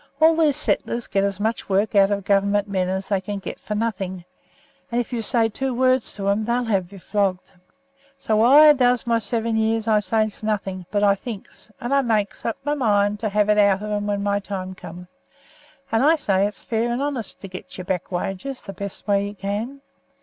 All these settlers gets as much work out of Government men as they can get for nothing, and if you says two words to 'em they'll have you flogged. So while I does my seven years I says nothing, but I thinks, and I makes up my mind to have it out of 'em when my time comes. And I say it's fair and honest to get your back wages the best way you can.